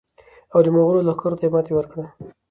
او د مغولو لښکرو ته یې ماته ورکړه.